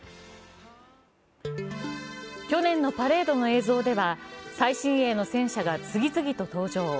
去年のパレードの映像では最新鋭の戦車が次々登場。